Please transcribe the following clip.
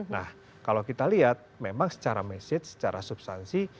nah kalau kita lihat memang secara message secara substansi